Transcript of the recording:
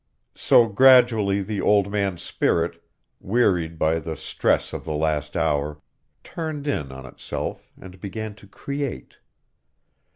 So gradually the old man's spirit, wearied by the stress of the last hour, turned in on itself and began to create.